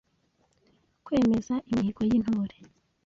Kwemeza imihigo y’Intore;